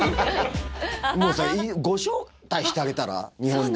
もうさ、ご招待してあげたら、日本に。